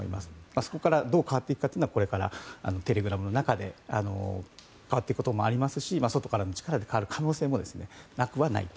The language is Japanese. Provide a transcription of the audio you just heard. そこからどう変わっていくかというのはこれからテレグラムの中で変わっていくこともありますし外からの力で変わる可能性もなくはないと。